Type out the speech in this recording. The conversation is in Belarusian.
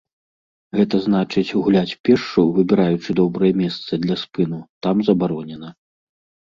Гэта значыць, гуляць пешшу, выбіраючы добрае месца для спыну, там забаронена.